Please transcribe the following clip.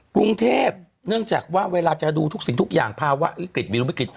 กรุงเทพเนื่องจากว่าเวลาจะดูทุกสิ่งทุกอย่างภาวะวิกฤติ